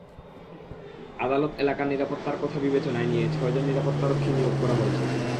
আদালত এলাকার নিরাপত্তার কথা বিবেচনায় নিয়ে ছয়জন নিরাপত্তারক্ষী নিয়োগ করা হয়েছে।